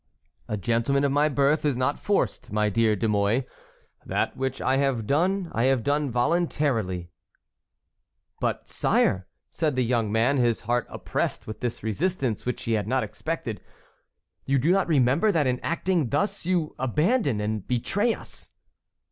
"A gentleman of my birth is not forced, my dear De Mouy. That which I have done, I have done voluntarily." "But, sire," said the young man, his heart oppressed with this resistance which he had not expected, "you do not remember that in acting thus you abandon and betray us."